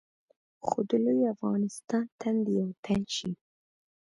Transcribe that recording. خو د لوی افغانستان تن دې یو تن شي.